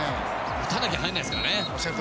打たなきゃ入らないですからね。